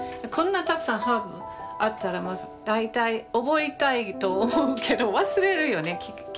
こんなたくさんハーブあったら覚えたいと思うけど忘れるよね。